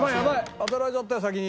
当てられちゃったよ先に。